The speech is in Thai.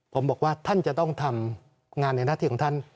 ผมบอกว่าท่านจะต้องทำงานในหน้าที่ของท่าน